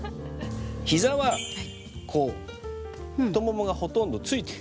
膝はこう太ももがほとんど付いてる。